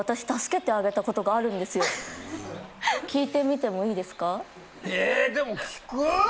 聞いてみても良いですか？